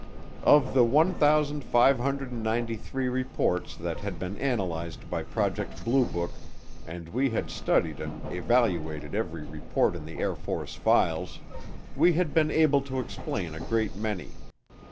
Of the 1,593 reports that had been analyzed by Project Blue Book, and we had studied and evaluated every report in the Air Force files, we had been able to explain a great many.